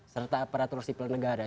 serta aparatur sipil negara